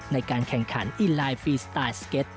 ในการแข่งขันอินไลน์ฟรีสไตล์สเก็ต